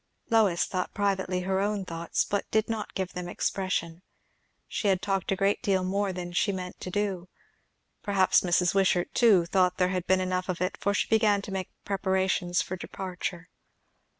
Lois thought privately her own thoughts, but did not give them expression; she had talked a great deal more than she meant to do. Perhaps Mrs. Wishart too thought there had been enough of it, for she began to make preparations for departure.